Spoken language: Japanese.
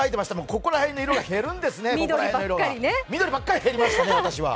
ここら辺の色が減るんですね、緑ばっかり減りましたね、私は。